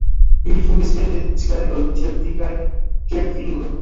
Ili fumis silente cigaredojn tiel dikajn, kiel fingro.